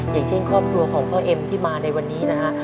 อย่างเช่นครอบครัวของพ่อเอ็มที่มาในวันนี้นะฮะ